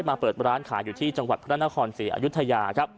เปิดร้านขายอยู่ที่จังหวัดพระนครศรีอยุธยาครับ